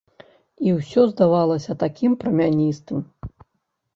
І ўсё здавалася такім прамяністым.